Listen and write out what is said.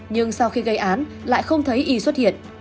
nhưng sau khi gây án lại không thấy y xuất hiện